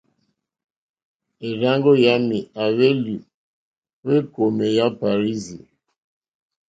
E rzàŋgo yami a hweli o ekome ya Parirzi.